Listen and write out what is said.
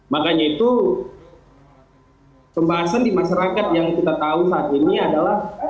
makanya itu pembahasan di masyarakat yang kita tahu saat ini adalah